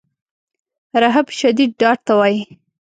رهب شدید ډار ته وایي.